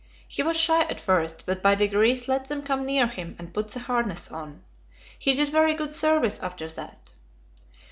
He was shy at first, but by degrees let them come near him and put the harness on. He did very good service after that.